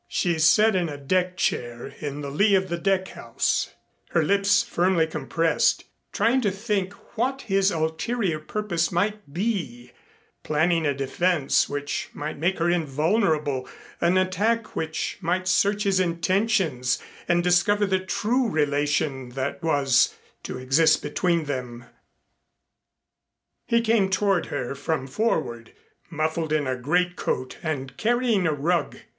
She sat in a deckchair in the lee of the deckhouse, her lips firmly compressed, trying to think what his ulterior purpose might be, planning a defense which might make her invulnerable, an attack which might search his intentions and discover the true relation that was to exist between them. He came toward her from forward, muffled in a greatcoat, and carrying a rug.